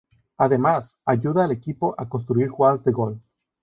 Además, ayuda al equipo a construir jugadas de gol.